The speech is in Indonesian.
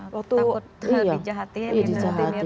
takut lebih di jahatin